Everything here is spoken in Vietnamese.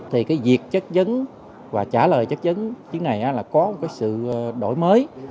thì việc chất vấn và trả lời chất vấn chứng này là có một sự đổi mới